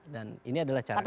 dan ini adalah cara kami